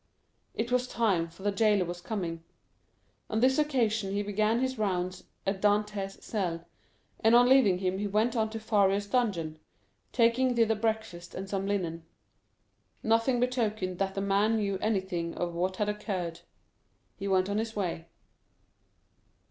It was time, for the jailer was coming. On this occasion he began his rounds at Dantès' cell, and on leaving him he went on to Faria's dungeon, taking thither breakfast and some linen. Nothing betokened that the man knew anything of what had occurred. He went on his way.